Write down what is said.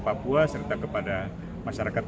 papua serta kepada masyarakat